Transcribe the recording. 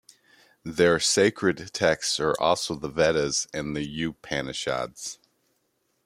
Their sacred texts are also the Vedas and the Upanishads.